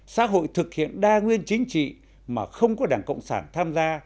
xã hội thực hiện đa nguyên chính trị mà không có đảng cộng sản tham gia